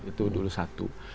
itu dulu satu